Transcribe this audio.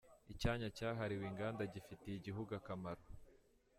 Icyanya cyahariwe inganda gifitiye igihugu akamaro.